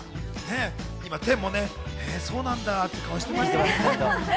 今、てんも、そうなんだって顔してましたね。